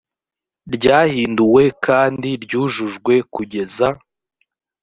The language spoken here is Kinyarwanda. ryahinduwe kandi ryujujwe kugeza